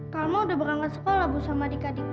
kak alma udah berangkat sekolah bu sama adik adik